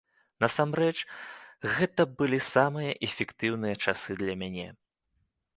Насамрэч, гэта былі самыя эфектыўныя часы для мяне.